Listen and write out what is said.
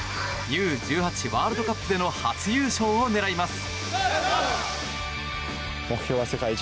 ワールドカップでの初優勝を狙います。